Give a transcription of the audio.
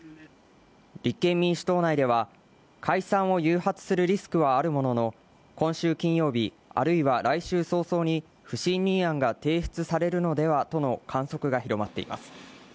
立憲民主党内では解散を誘発するリスクはあるものの、今週金曜日あるいは来週早々に不信任案が提出されるのではとの観測が広まっています。